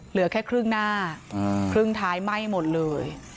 เหลือแค่ครึ่งหน้าครึ่งท้ายไหม้หมดเลย